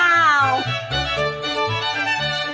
เหมือนชาวไทยใหญ่หรือเปล่า